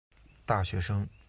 大学生